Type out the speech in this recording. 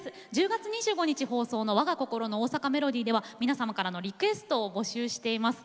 １０月２５日放送の「わが心の大阪メロディー」では皆様からのリクエストを募集しています。